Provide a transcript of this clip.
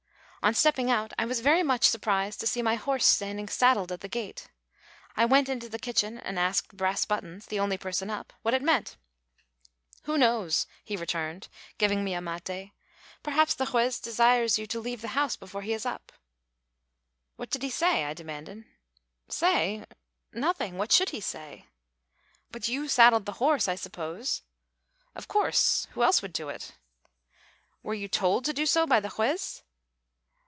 On stepping out I was very much surprised to see my horse standing saddled at the gate. I went into the kitchen and asked Brass Buttons, the only person up, what it meant. "Who knows?" he returned, giving me a maté. "Perhaps the Juez desires you to leave the house before he is up." "What did he say?" I demanded. "Say? Nothing what should he say?" "But you saddled the horse, I suppose?" "Of course. Who else would do it?" "Were you told to do so by the Juez?"